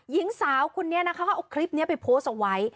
ยิ้งสาวคุณเฮียนะครับเขาเอาคลิปนี้ไปพลสไว้